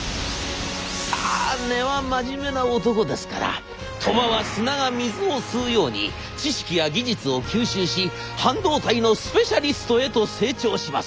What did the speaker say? さあ根は真面目な男ですから鳥羽は砂が水を吸うように知識や技術を吸収し半導体のスペシャリストへと成長します。